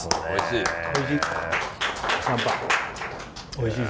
おいしい。